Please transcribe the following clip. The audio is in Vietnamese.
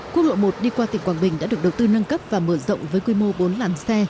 quốc lộ một đi qua tỉnh quảng bình đã được đầu tư nâng cấp và mở rộng với quy mô bốn làn xe